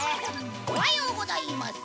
おはようございます！